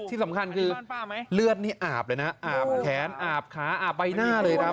ที่สำคัญคือเลือดนี่อาบเลยนะอาบแขนอาบขาอาบใบหน้าเลยครับ